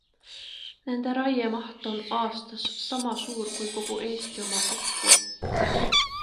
Nende raiemaht on aastas sama suur kui kogu Eesti oma kokku.